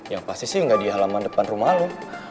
yang pasti sih nggak di halaman depan rumah lo